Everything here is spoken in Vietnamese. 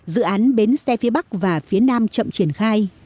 dự án bến xe phía bắc và phía nam chậm triển khai